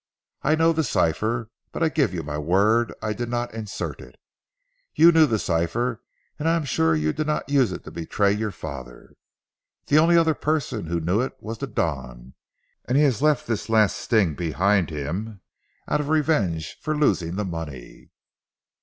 I know the cipher, but I give you my word I did not insert it. You knew the cipher, and I am sure you did not use it to betray your father. The only other person who knew it was the Don, and he has left this last sting behind him out of revenge for losing the money."